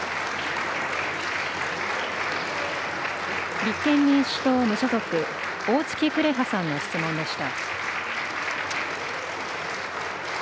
立憲民主党・無所属、おおつき紅葉さんの質問でした。